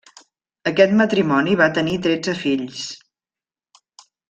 Aquest matrimoni va tenir tretze fills.